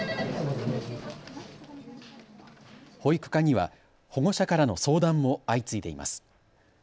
保育課には保護者からの相談も相次いでいます。